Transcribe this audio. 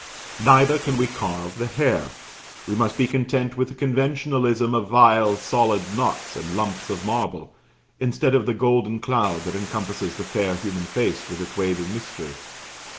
Neither can we carve the hair. We must be content with the conventionalism of vile solid knots and lumps of marble, instead of the golden cloud that encompasses the fair human face with its waving mystery.